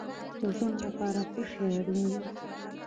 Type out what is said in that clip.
د ژوند لپاره څه شی اړین دی؟